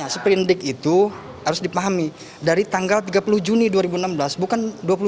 seperindik itu harus dipahami dari tanggal tiga puluh juni dua ribu enam belas bukan dua puluh satu